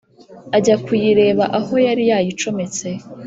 ajya kuyireba aho yari yayicometse